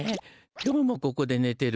今日もここで寝てる。